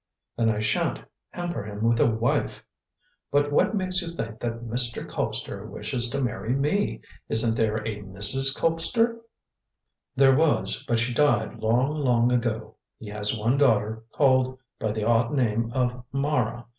"Then I shan't hamper him with a wife. But what makes you think that Mr. Colpster wishes to marry me. Isn't there a Mrs. Colpster?" "There was, but she died long, long ago. He has one daughter, called by the odd name of Mara.